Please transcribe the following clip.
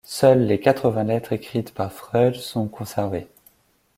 Seules les quatre-vingts lettres écrites par Freud sont conservées.